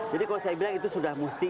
jadi kalau saya bilang itu sudah mesti